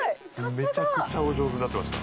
「めちゃくちゃお上手になってました」